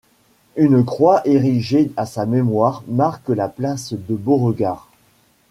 Une croix érigée à sa mémoire marque la place de Beauregard.